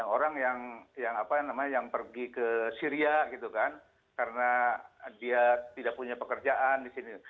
orang yang pergi ke syria gitu kan karena dia tidak punya pekerjaan di sini